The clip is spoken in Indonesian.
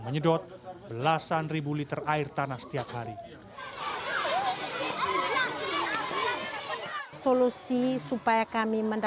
mereka hanya berpengalaman